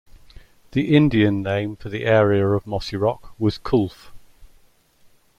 The Indian name for the area of Mossyrock was "Coulph".